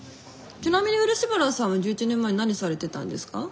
ちなみに漆原さんは１１年前何されてたんですか？